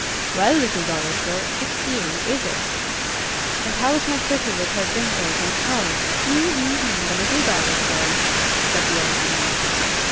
"Well, little Dallas girl, it's you, is it? And how is my pretty with her dimples and curls? Hm! Hm! Hm! The little Dallas girl," said the old woman.